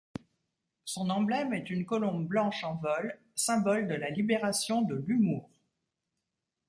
Son emblème est une colombe blanche en vol, symbole de la libération de l'humour.